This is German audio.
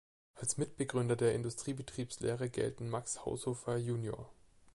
Als Mitbegründer der Industriebetriebslehre gelten Max Haushofer Jr.